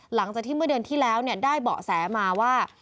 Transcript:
หลังจากที่เมื่อเดือนที่แล้วได้เบาะแสมาว่า